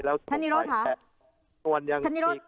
แล้วทุกวัน